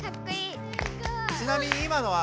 ちなみに今のは？